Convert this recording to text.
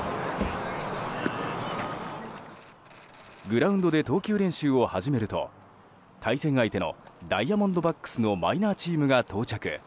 グラウンドで投球練習を始めると対戦相手のダイヤモンドバックスのマイナーチームが到着。